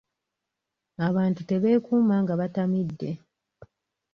Abantu tebeekuuma nga batamidde.